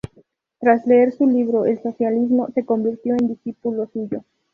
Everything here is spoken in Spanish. Tras leer su libro "El socialismo", se convirtió en discípulo suyo.